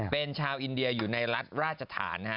เป็นชาวอินเดียอยู่ในราชธรรมน์